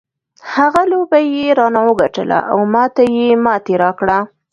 هغه لوبه یې رانه وګټله او ما ته یې ماتې راکړه.